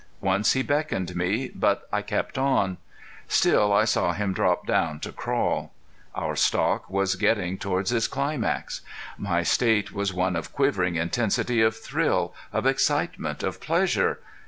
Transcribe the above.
Once he beckoned me, but I kept on. Still I saw him drop down to crawl. Our stalk was getting toward its climax. My state was one of quivering intensity of thrill, of excitement, of pleasure.